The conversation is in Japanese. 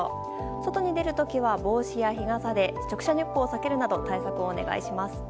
外に出る時は帽子や日傘で直射日光を避けるなど対策をお願いします。